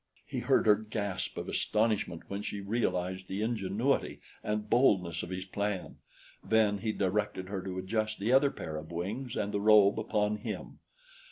He heard her gasp of astonishment when she realized the ingenuity and boldness of his plan; then he directed her to adjust the other pair of wings and the robe upon him.